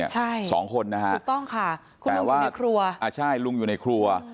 ใช่ถูกต้องค่ะคุณลุงอยู่ในครัวใช่ลุงอยู่ในครัว